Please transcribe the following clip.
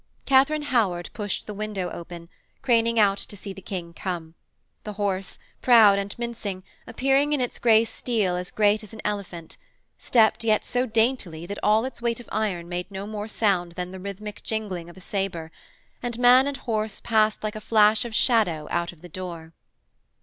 Katharine Howard pushed the window open, craning out to see the King come: the horse, proud and mincing, appearing in its grey steel as great as an elephant, stepped yet so daintily that all its weight of iron made no more sound than the rhythmic jingling of a sabre, and man and horse passed like a flash of shadow out of the door.